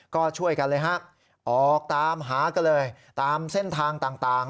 ก็ช่วยกันเลยฮะออกตามหาก็เลยตามเส้นทางต่าง